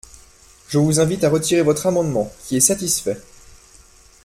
Je vous invite à retirer votre amendement, qui est satisfait.